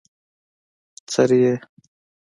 څرې يې؟